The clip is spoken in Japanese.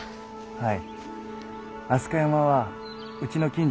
はい！